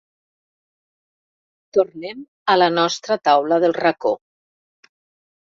Tornem a la nostra taula del racó.